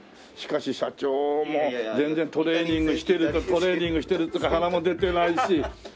しかし社長も全然トレーニングしてるトレーニングしてるっていうか腹も出てないし。